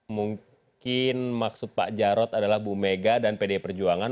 mungkin maksud pak jarod adalah bumega dan pdi perjuangan